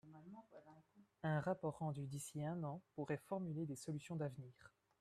Un rapport rendu d’ici un an pourrait formuler des solutions d’avenir.